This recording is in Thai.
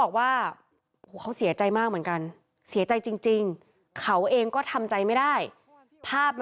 ขอบคุณครับ